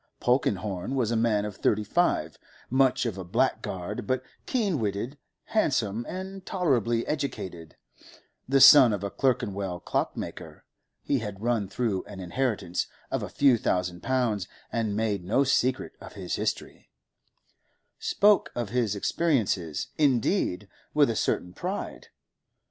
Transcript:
Polkenhorne was a man of thirty five, much of a blackguard, but keen witted, handsome, and tolerably educated; the son of a Clerkenwell clockmaker, he had run through an inheritance of a few thousand pounds, and made no secret of his history—spoke of his experiences, indeed, with a certain pride.